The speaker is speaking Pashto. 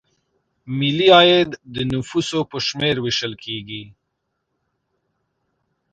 ملي عاید د نفوسو په شمېر ویشل کیږي.